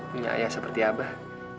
punya ayah seperti abah